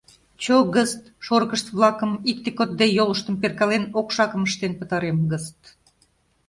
Чо гыст, шорыкышт-влакым, икте-кодде, йолыштым перкален, окшакым ыштен пытарем гыст!